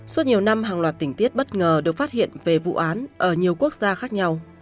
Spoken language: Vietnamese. suốt nhiều năm hàng loạt tình tiết bất ngờ được phát hiện về vụ án ở nhiều quốc gia khác nhau